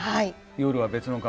夜は別の顔。